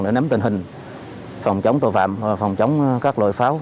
để nắm tình hình phòng chống tội phạm và phòng chống các loại pháo